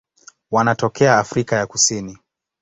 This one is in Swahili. Wanatokea Afrika ya Kusini.